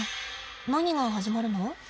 何が始まるの？